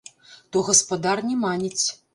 То гаспадар не маніць.